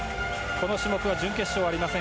この種目は準決勝はありません。